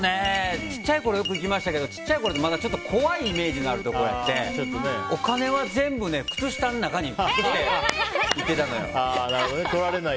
小さいころよく行きましたけど小さいころって怖いイメージのあるところでお金は全部靴下の中に隠して行ってたのよ。